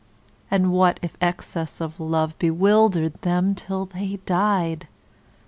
And what if excess of love Bewildered them till they died?